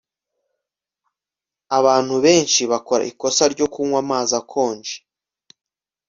Abantu benshi bakora ikosa ryo kunywa amazi akonje